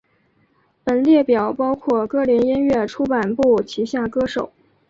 本列表包括歌林音乐出版部旗下歌手。